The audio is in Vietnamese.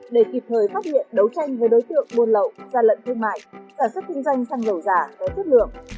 để kịp thời phát hiện đấu tranh với đối tượng buôn lậu gian lận thương mại sản xuất kinh doanh xăng dầu giả có chất lượng